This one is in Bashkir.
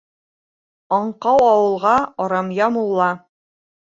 Аңҡау ауылға арамъя мулла.